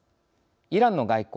イランの外交